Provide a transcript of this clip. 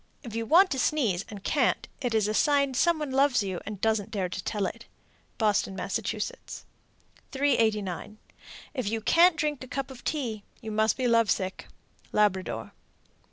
If you want to sneeze and can't, it is a sign some one loves you, and doesn't dare to tell it. Boston, Mass. 389. If you can't drink a cup of tea, you must be love sick. _Labrador.